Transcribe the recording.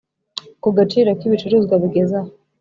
ku gaciro k ibicuruzwa bigeze aha